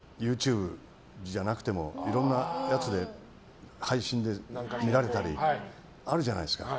例えば、資料があれが見たいなと思ったらＹｏｕＴｕｂｅじゃなくてもいろんなやつで配信で見られたりあるじゃないですか。